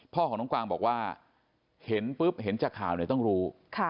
พ่อของน้องกวางบอกว่าเห็นปุ๊บเห็นจากข่าวเนี่ยต้องรู้